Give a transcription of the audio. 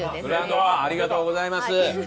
ありがとうございます！